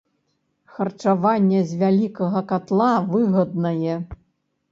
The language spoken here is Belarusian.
Харчаванне з вялікага катла выгаднае.